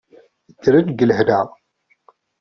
Ddren deg lehna.